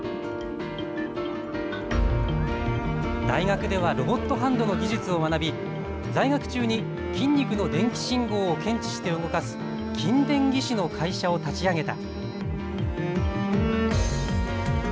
大学ではロボットハンドの技術を学び在学中に筋肉の電気信号を検知して動かす筋電義手の会社を立ち上げた。